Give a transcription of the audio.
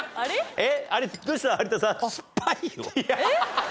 えっ？